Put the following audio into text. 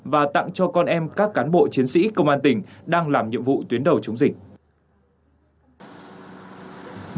và tặng cho con em các cán bộ chiến sĩ công an tỉnh đang làm nhiệm vụ tuyến đầu chống dịch